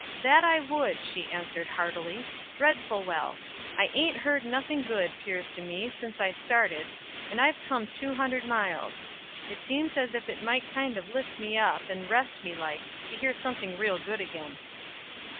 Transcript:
"That I would," she answered, heartily, "dreadful well. I ain't heard nothing good, 'pears to me, since I started; and I've come two hundred miles. It seems as if it might kind of lift me up, and rest me like, to hear something real good again."